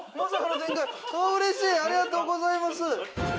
うれしいありがとうございます。